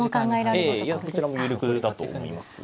ええどちらも有力だと思いますが。